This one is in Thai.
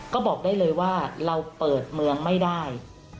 ก็บอกได้เลยว่าเราเปิดเมืองไม่ได้